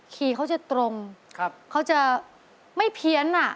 คีย์เขาจะตรงเขาจะไม่เพี้ยน